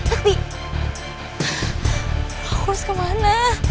aku harus kemana